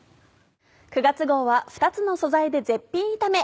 ９月号は「２つの素材で絶品炒め」。